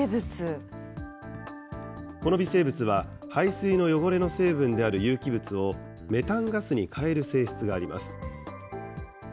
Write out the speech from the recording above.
この微生物は、排水の汚れの成分である有機物をメタンガスに変える性質があります。